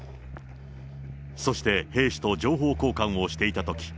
そして兵士と情報交換をしていたとき。